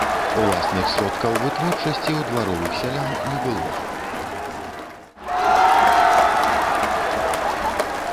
Уласных сродкаў вытворчасці ў дваровых сялян не было.